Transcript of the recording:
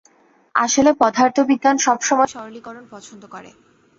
আসলে পদার্থবিজ্ঞান সব সময় সরলীকরণ পছন্দ করে।